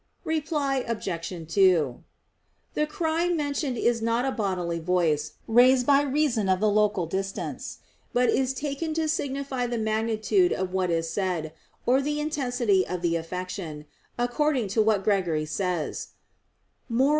Reply Obj. 2: The cry mentioned is not a bodily voice raised by reason of the local distance; but is taken to signify the magnitude of what is said, or the intensity of the affection, according to what Gregory says (Moral.